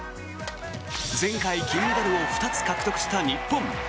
前回、金メダルを２つ獲得した日本。